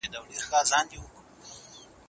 ایا دا ستاسو لومړنی لاسي کار دی؟